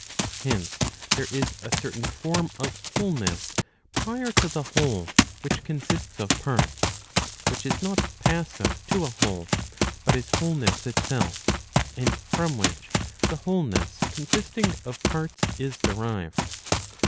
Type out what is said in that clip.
Hence, there is a certain form of whole¬ ness, prior to the whole which consists of parts, which is not passive to a whole, but is wholeness itself, and from which the wholeness consisting of parts is derived.